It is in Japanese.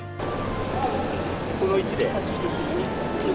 この位置で。